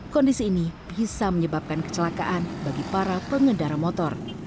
kondisi ini bisa menyebabkan kecelakaan bagi para pengendara motor